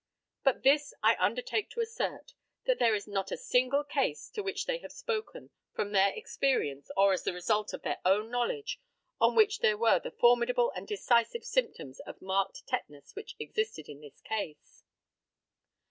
But this I undertake to assert, that there is not a single case to which they have spoken from their experience, or as the result of their own knowledge, on which there were the formidable and decisive symptoms of marked tetanus which existed in this case.